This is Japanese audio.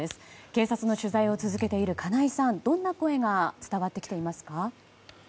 警察の取材を続けている金井さん、どんな声が伝わってきていますか？